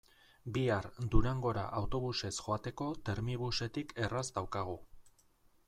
Bihar Durangora autobusez joateko Termibusetik erraz daukagu.